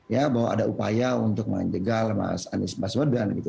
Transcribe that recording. ya bahwa ada upaya untuk menjegal mas anies baswedan gitu